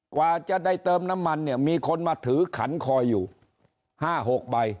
กว่าจะได้เติมน้ำมันเนี่ยมีคนมาถือขันคอยอยู่๕๖ใบ